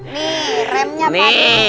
nih remnya pakde